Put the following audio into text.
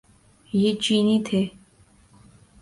یہ چینی تھے۔